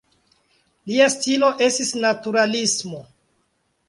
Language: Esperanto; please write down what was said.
Lia stilo estis naturalismo.